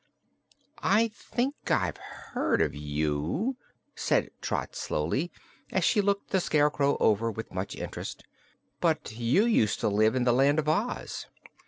"I think I've heard of you," said Trot slowly, as she looked the Scarecrow over with much interest; "but you used to live in the Land of Oz."